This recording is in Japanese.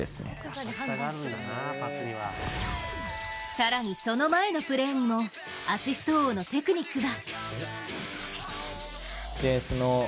更に、その前のプレーにもアシスト王のテクニックが。